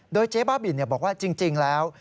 โดยเจ๊บ้าบินบอกว่าจริงแล้ว